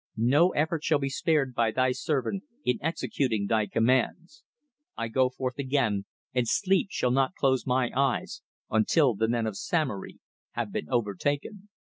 "No effort shall be spared by thy servant in executing thy commands. I go forth again, and sleep shall not close my eyes until the men of Samory have been overtaken."